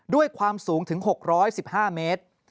ด้วยความสูงถึง๖๑๕เมตร